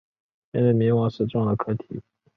面对迷惘时重要的课题